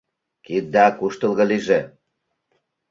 — Кидда куштылго лийже.